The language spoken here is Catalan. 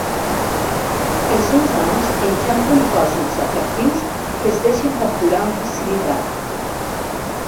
Els seus hams enxampen fòssils atractius que es deixen capturar amb facilitat.